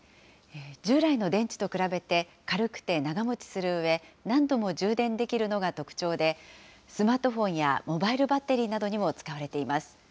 従来の電池と比べて、軽くて長もちするうえ、何度も充電できるのが特徴で、スマートフォンやモバイルバッテリーなどにも使われています。